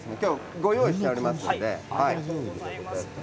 ご用意してありますので。